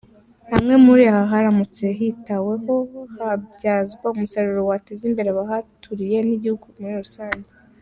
Hamwe muri aha haramutse hitaweho habyazwa umusaruro wateza imbere abahaturiye n’igihugu muri rusange.